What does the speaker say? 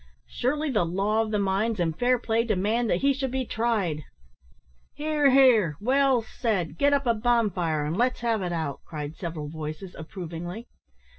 Surely the law of the mines and fair play demand that he should be tried!" "Hear! hear! well said. Git up a bonfire, and let's have it out," cried several voices, approvingly.